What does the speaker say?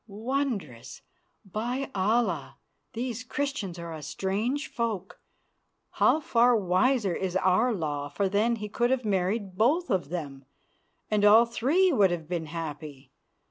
Wondrous! By Allah! these Christians are a strange folk. How far wiser is our law, for then he could have married both of them, and all three would have been happy.